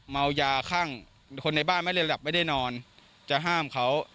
เมายาข้างคนในบ้านไม่ได้หลับไม่ได้นอนจะห้ามเขา